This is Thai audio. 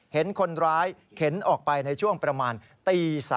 เห็นคนร้ายเข็นออกไปในช่วงประมาณตี๓